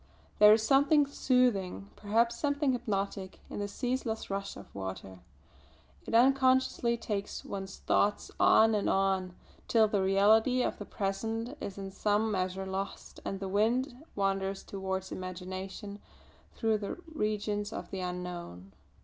There is something soothing, perhaps something hypnotic, in the ceaseless rush of water. It unconsciously takes one's thoughts on and on, till the reality of the present is in some measure lost and the mind wanders towards imagination through the regions of the unknown.